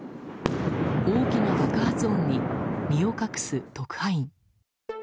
大きな爆発音に身を隠す特派員。